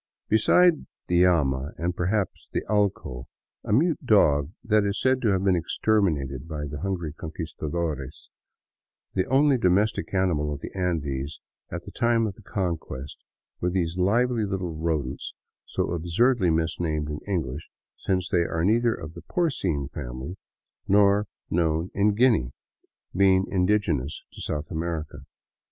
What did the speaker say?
Besides the llama, and, perhaps, the allco, a mute dog that is said to have been exterminated by the hungry Conquistadores, the only domestic animal of the Andes at the time of the Conquest were these lively little rodents so absurdly misnamed in English, since they are neither of the porcine family nor known in Guinea, being in digenous to South America.